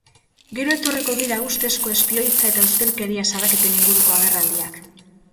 Gero etorriko dira ustezko espioitza eta ustelkeria salaketen inguruko agerraldiak.